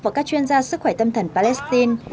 và các chuyên gia sức khỏe tâm thần palestine